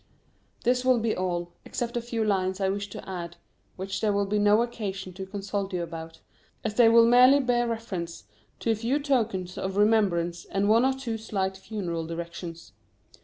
This will be all, except a few lines I wish to add which there will be no occasion to consult you about, as they will merely bear reference to a few tokens of remembrance and one or two slight funeral directions.